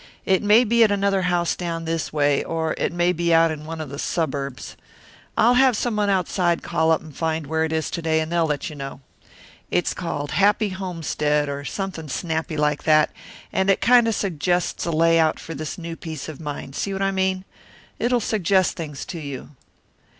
It may be at another house down this way, or it may be out in one of the suburbs. I'll have someone outside call up and find where it is to day and they'll let you know. It's called Happy Homestead or something snappy like that, and it kind of suggests a layout for this new piece of mine, see what I mean? It'll suggest things to you.